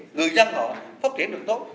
người dân họ phát triển được tốt